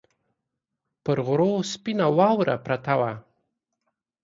پر غرو سپینه واوره پرته وه